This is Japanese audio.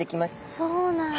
そうなんだ。